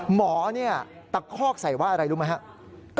หมอตะคอกใส่ว่าอะไรรู้ไหมครับ